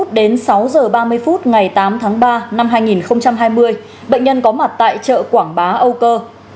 từ ba h năm mươi năm đến sáu h ba mươi ngày tám tháng ba năm hai nghìn hai mươi bệnh nhân có mặt tại chợ quảng bá âu cơ